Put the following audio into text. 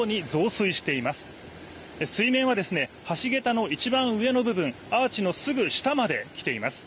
水面は橋げたの一番上の部分アーチのすぐ下まで来ています。